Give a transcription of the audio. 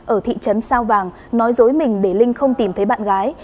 ở thị trấn sao vàng nói dối mình để linh không tìm thấy bạn gái